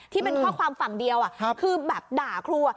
ที่เป็นข้อความฝั่งเดียวคือแบบด่าครัว